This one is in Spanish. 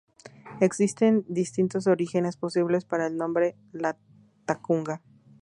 Existen distintos orígenes posibles para el nombre "Latacunga".